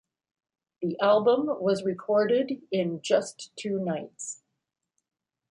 The album was recorded in just two nights.